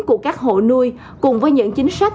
của các hộ nuôi cùng với những chính sách